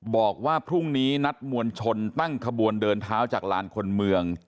บอกว่าพรุ่งนี้นัดมวลชนตั้งขบวนเดินเท้าจากลานคนเมือง